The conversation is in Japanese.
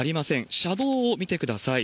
車道を見てください。